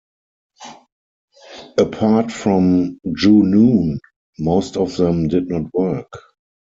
Apart from "Junoon", most of them did not work.